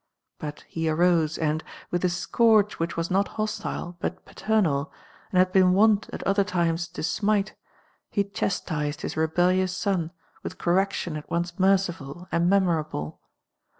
But he arose, and, with a scourge which was not hostile but piiter na' and iiad been wont at other times to smite, he chat til <d his rebellious son with correc tion at once merciful and memorable.